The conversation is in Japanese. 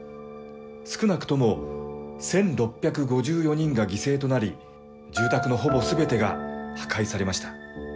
少なくとも１６５４人が犠牲となり、住宅のほぼすべてが破壊されました。